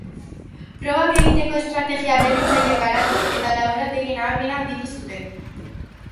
Probak egiteko estrategia berritzailea garatu, eta laborategien ahalmena handitu zuten.